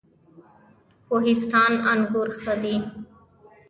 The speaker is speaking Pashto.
کوهستان انګور ښه دي؟